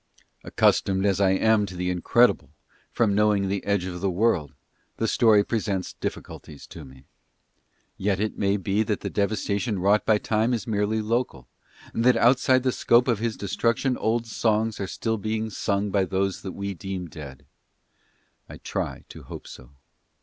..... Accustomed as I am to the incredible from knowing the Edge of the World, the story presents difficulties to me. Yet it may be that the devastation wrought by Time is merely local, and that outside the scope of his destruction old songs are still being sung by those that we deem dead. I try to hope so.